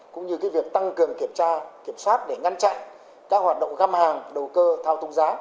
cũng như việc tăng cường kiểm tra kiểm soát để ngăn chặn các hoạt động găm hàng đầu cơ thao túng giá